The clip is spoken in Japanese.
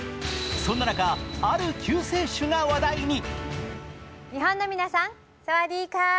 そんな中、ある救世主が話題に。